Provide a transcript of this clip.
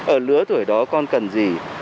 ở lứa tuổi đó con cần gì